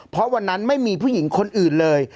เพราะวันนั้นไม่มีผู้หญิงคนอื่นเลย